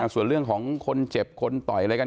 ส่วนเรื่องของคนเจ็บคนต่อยอะไรกัน